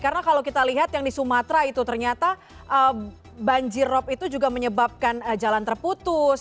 karena kalau kita lihat yang di sumatera itu ternyata banjir rob itu juga menyebabkan jalan terputus